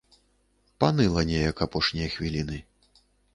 Паныла неяк апошнія хвіліны.